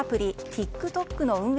ＴｉｋＴｏｋの運営